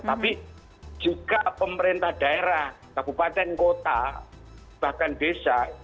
tapi juga pemerintah daerah kabupaten kota bahkan desa